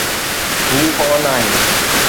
هو پون آهي